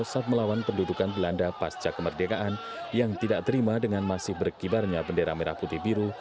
saat melawan pendudukan belanda pasca kemerdekaan yang tidak terima dengan masih berkibarnya bendera merah putih biru